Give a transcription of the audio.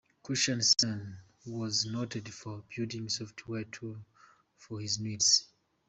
Christensen was noted for building software tools for his needs.